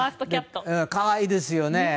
可愛いですよね。